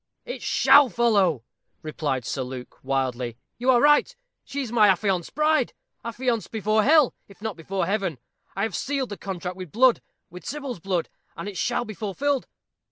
"It shall follow," replied Sir Luke, wildly. "You are right. She is my affianced bride affianced before hell, if not before heaven. I have sealed the contract with blood with Sybil's blood and it shall be fulfilled.